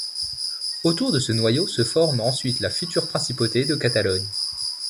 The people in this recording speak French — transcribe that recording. Autour de ce noyau se forme ensuite la future principauté de Catalogne.